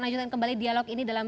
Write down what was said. lanjutkan kembali dialog ini dalam